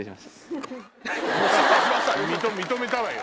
認めたわよ。